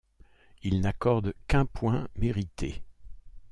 Il n'accorde qu'un point mérité.